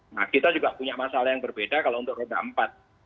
nah kita juga punya masalah yang berbeda kalau untuk roda empat